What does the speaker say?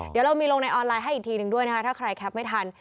เดี๋ยวเรามีลงในออนไลน์ให้อีกทีหนึ่งด้วยนะคะถ้าใครแคปไม่ทัน